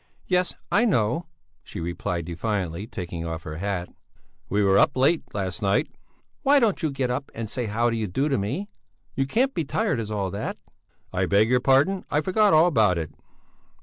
"Yes, I know," she replied, defiantly, taking off her hat. "We were up late last night." "Why don't you get up and say how do you do to me? You can't be as tired as all that!" "I beg your pardon, I forgot all about it!"